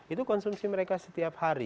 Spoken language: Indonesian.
itu konsumsi mereka setiap hari